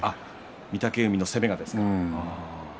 御嶽海の攻めがですね。